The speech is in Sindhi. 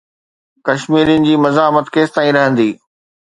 ڪشميرين جي مزاحمت ڪيستائين رهندي؟